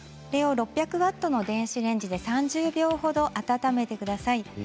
６００ワットの電子レンジで３０秒ほど温めてください。